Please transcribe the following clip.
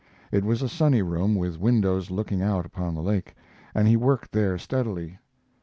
It was a sunny room with windows looking out upon the lake, and he worked there steadily.